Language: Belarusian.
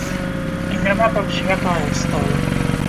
Яна там святая стала.